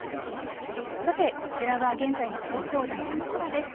さて、こちらは現在の東京・台場の空です。